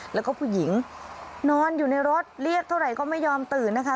แล้วก็ผู้หญิงนอนอยู่ในรถเรียกเท่าไหร่ก็ไม่ยอมตื่นนะคะ